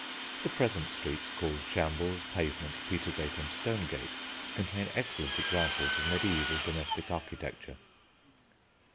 The present streets called Shambles, Pavement, Petergate and Stonegate, contain excellent examples of mediæval domestic architecture.